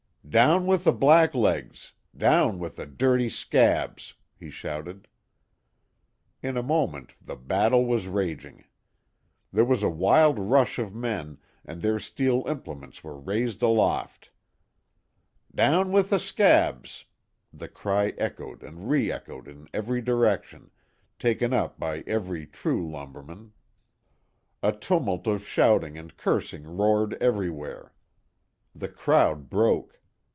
"Down with the blacklegs! Down with the dirty 'scabs'!" he shouted. In a moment the battle was raging. There was a wild rush of men, and their steel implements were raised aloft. "Down with the 'scabs'!" The cry echoed and reëchoed in every direction, taken up by every true lumberman. A tumult of shouting and cursing roared everywhere. The crowd broke.